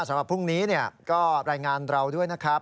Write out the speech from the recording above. สำหรับพรุ่งนี้ก็รายงานเราด้วยนะครับ